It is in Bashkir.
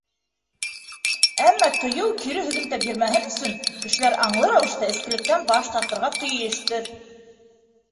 Әммә тыйыу кире һөҙөмтә бирмәһен өсөн кешеләр аңлы рәүештә эскелектән баш тартырға тейештер.